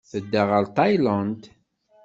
Tedda ɣer Tayland.